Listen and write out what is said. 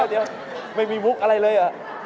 เดี๋ยวไม่มีมุกอะไรเลย